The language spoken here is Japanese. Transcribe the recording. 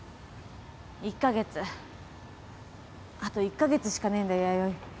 １カ月あと１カ月しかねえんだ弥生。